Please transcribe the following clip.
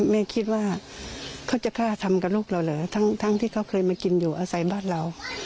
แม่คิดว่าเขาจะกล้าทำกับลูกเราเหรอทั้งที่เขาเคยมากินอยู่อาศัยบ้านเรา